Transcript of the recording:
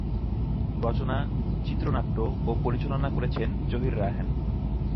রচনা, চিত্রনাট্য ও পরিচালনা করেছেন জহির রায়হান।